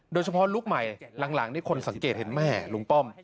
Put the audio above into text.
ลูกใหม่หลังนี่คนสังเกตเห็นแม่ลุงป้อม